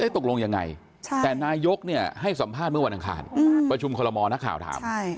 ตกลงยังไงแต่นายกให้สัมภาษณ์เมื่อวันอังคารประชุมคอลโมนักข่าวถาม